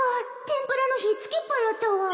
天ぷらの火つけっぱやったわ